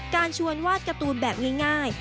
การชวนวาดการ์ตูนแบบง่าย